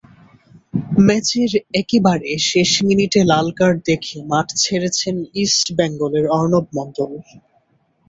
ম্যাচের একেবারে শেষ মিনিটে লাল কার্ড দেখে মাঠ ছেড়েছেন ইস্ট বেঙ্গলের অর্ণব মণ্ডল।